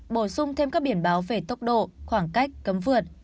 bổ sung thêm các biển báo về tốc độ khoảng cách cấm vượt